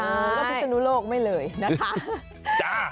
ใช่คือพิศนุโลกไม่เลยนะคะจ้า